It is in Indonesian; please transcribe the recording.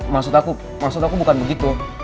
maaf tante maksud aku bukan begitu